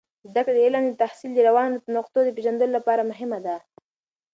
زده کړه د علم د تحصیل د روانو نقطو د پیژندلو لپاره مهمه ده.